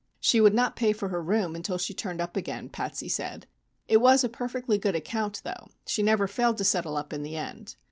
She would not pay for her room until she turned up again, Patsy said. It was a perfectly good account, though; she never failed to settle up in the end.